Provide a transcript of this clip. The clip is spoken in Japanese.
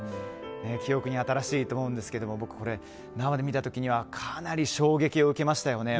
記憶に新しいと思うんですけれども僕、これを生で見た時にはかなり衝撃を受けましたよね。